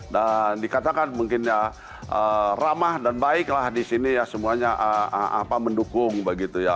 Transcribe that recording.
dan dikatakan mungkin ya ramah dan baik lah disini ya semuanya mendukung begitu ya